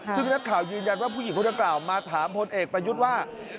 ซึ่งนักข่าวยืนยันว่าผู้หญิงคนดังกล่าวมาถามพลเอกประยุทธ์ว่า